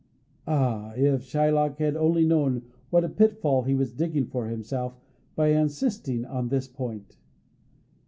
Ah, if Shylock had only known what a pitfall he was digging for himself by insisting on this point!